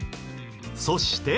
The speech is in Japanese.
そして。